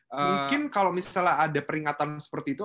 mungkin kalau misalnya ada peringatan seperti itu